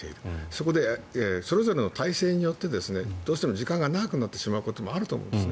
そこで、それぞれの体制によってどうしても時間が長くなることもあると思うんです。